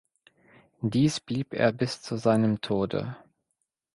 Dies blieb er bis zu seinem Tode.